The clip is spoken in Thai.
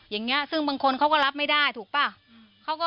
อย่างนี้ซึ่งบางคนเขาก็รับไม่ได้ถูกป่ะ